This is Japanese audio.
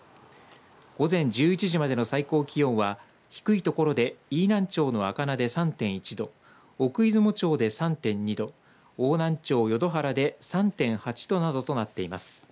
午前１１時までの最高気温は低い所で飯南町の赤名で３．１度奥出雲町で３．２度邑南町淀原で３．８度などとなっています。